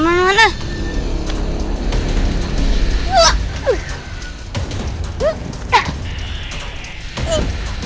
terima kasih krintang